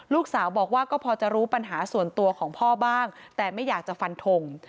ลูกสาวบอกว่าก็พอจะรู้ปัญหาส่วนตัวของพ่อบ้างแต่ไม่อยากจะฟันทง